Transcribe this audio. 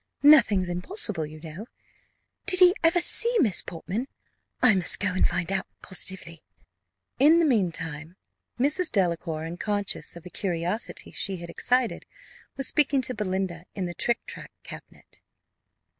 Nothing's impossible, you know. Did he ever see Miss Portman? I must go and find out, positively." In the mean time, Mrs. Delacour, unconscious of the curiosity she had excited, was speaking to Belinda in the trictrac cabinet.